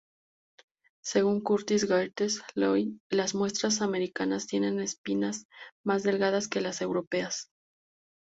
Según Curtis Gates Lloyd, las muestras americanas tienen espinas más delgadas que las europeas.